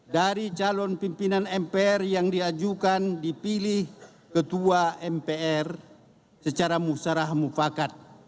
dari calon pimpinan mpr yang diajukan dipilih ketua mpr secara musarah mufakat